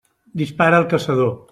Dispara el caçador.